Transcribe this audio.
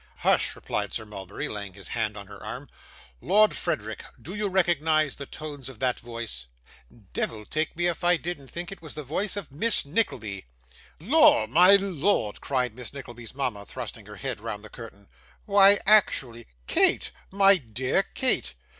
'Hush!' replied Sir Mulberry, laying his hand on her arm. 'Lord Frederick, do you recognise the tones of that voice?' 'Deyvle take me if I didn't think it was the voice of Miss Nickleby.' 'Lor, my lord!' cried Miss Nickleby's mama, thrusting her head round the curtain. 'Why actually Kate, my dear, Kate.